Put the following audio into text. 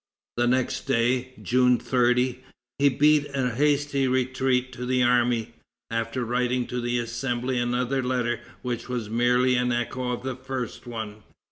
The next day, June 30, he beat a hasty retreat to the army, after writing to the Assembly another letter which was merely an echo of the first one.